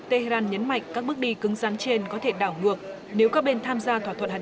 tehran nhấn mạnh các bước đi cứng rắn trên có thể đảo ngược nếu các bên tham gia thỏa thuận hạt